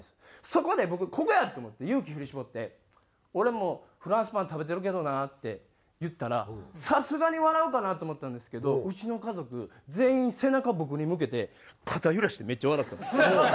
そこで僕ここやと思って勇気振り絞って「俺もフランスパン食べてるけどな」って言ったらさすがに笑うかなと思ったんですけどうちの家族全員背中僕に向けて肩揺らしてめっちゃ笑ったんです。